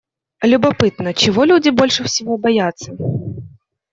Любопытно, чего люди больше всего боятся?